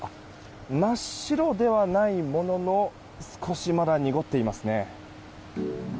真っ白ではないものの少し、まだ濁っていますね。